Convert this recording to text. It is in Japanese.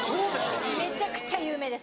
めちゃくちゃ有名です。